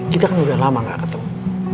kita kan udah lama gak ketemu